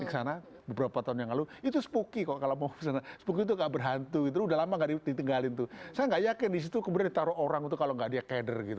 di sana beberapa tahun yang lalu itu spooky kok kalau mau spooky itu gak berhantu gitu udah lama gak ditinggalin tuh saya gak yakin di situ kemudian ditaruh orang itu kalau gak ada keder gitu